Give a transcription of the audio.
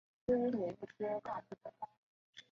或在茶肆或在野闲开场聚众。